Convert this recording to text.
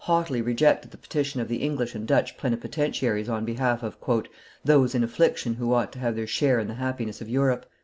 haughtily rejected the petition of the English and Dutch plenipotentiaries on behalf of "those in affliction who ought to have their share in the happiness of Europe."